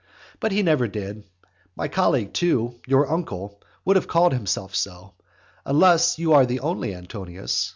But he never did. My colleague too, your own uncle, would have called himself so. Unless you are the only Antonius.